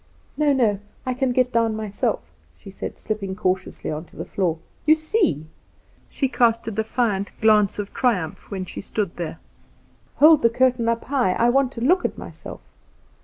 "No, no; I can get down myself," she said, slipping cautiously on to the floor. "You see!" She cast a defiant glance of triumph when she stood there. "Hold the curtain up high, I want to look at myself."